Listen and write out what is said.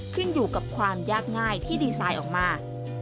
ขึ้นอยู่กับความยากง่ายที่ดีไซน์ออกมา